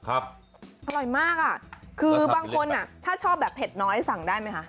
อร่อยมากอ่ะคือบางคนอ่ะถ้าชอบแบบเผ็ดน้อยสั่งได้ไหมคะ